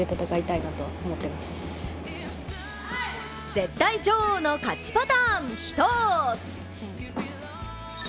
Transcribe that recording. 絶対女王の勝ちパターン、ひとーつ！